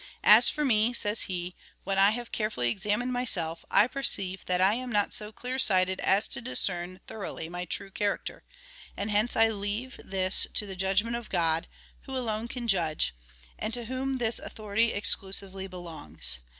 " As for mc," says he, " when I have carefully examined myself, I perceive that I am not so clear sighted as to discern thoroughly my true character ; and hence I leave this to the judgment of God, who alone can judge, and to whom this authority exclusively belongs.